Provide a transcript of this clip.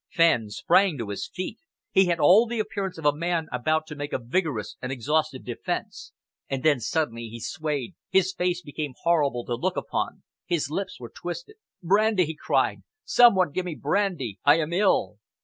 Fenn sprang to his feet. He had all the appearance of a man about to make a vigorous and exhaustive defence. And then suddenly he swayed, his face became horrible to look upon, his lips were twisted. "Brandy!" he cried. "Some one give me brandy! I am ill!"